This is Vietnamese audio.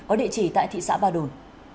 ở địa chỉ tại thị xã ba đồn